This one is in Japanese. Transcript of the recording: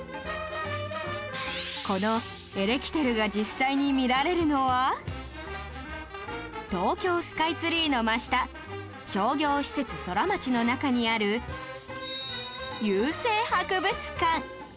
このエレキテルが東京スカイツリーの真下商業施設ソラマチの中にある郵政博物館